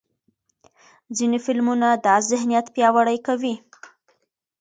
ځینې فلمونه دا ذهنیت پیاوړی کوي.